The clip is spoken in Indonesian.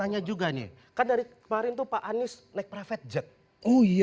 tapi kita juga pengen nanya juga nih kan dari kemarin tuh pak anies naik private jet oh iya